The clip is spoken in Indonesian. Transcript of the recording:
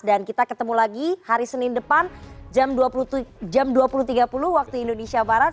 dan kita ketemu lagi hari senin depan jam dua puluh tiga puluh waktu indonesia barat